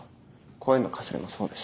声のかすれもそうです。